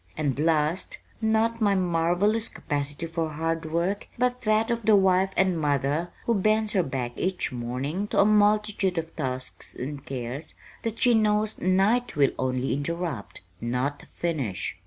And last, not my marvelous capacity for hard work, but that of the wife and mother who bends her back each morning to a multitude of tasks and cares that she knows night will only interrupt not finish."